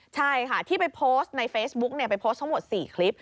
ใช่ค่ะที่ไปโพสต์ในเฟซบุ๊กไปโพสต์ทั้งหมด๔คลิป